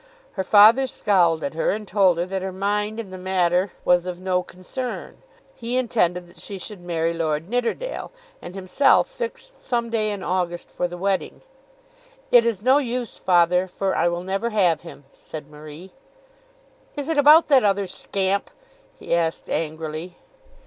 Her father scowled at her and told her that her mind in the matter was of no concern. He intended that she should marry Lord Nidderdale, and himself fixed some day in August for the wedding. "It is no use, father, for I will never have him," said Marie. "Is it about that other scamp?" he asked angrily.